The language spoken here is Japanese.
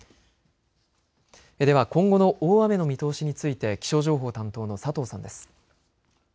では今後の大雨の見通しについて気象情報担当の佐藤さんです。